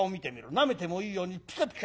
なめてもいいようにピカピカ光ってるだろ。